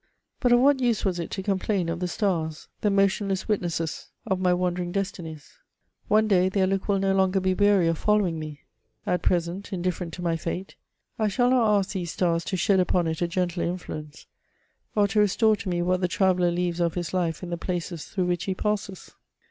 But of what use was it to complain of the stars, the motion less witnesses of my wandering destinies ? One day their look will no longer be weary of following me ; at present, indifferent to my fate, I shall not ask these stars to shed upon it a gentler influence, or to restore to me what the traveller leaves of his life in the places through which he passes.